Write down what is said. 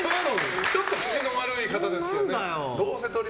ちょっと口の悪い方ですね。